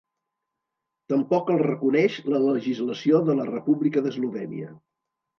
Tampoc el reconeix la legislació de la República d'Eslovènia.